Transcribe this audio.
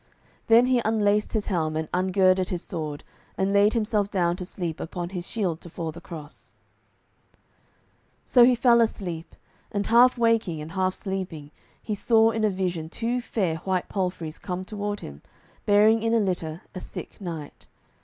Then he unlaced his helm, and ungirded his sword, and laid himself down to sleep upon his shield tofore the cross. [Illustration: Sir Launcelot at the Cross] So he fell on sleep, and half waking and half sleeping he saw in a vision two fair white palfreys come toward him, bearing in a litter a sick knight.